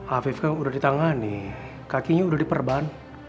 afif kan sudah ditangani kakinya udah diperban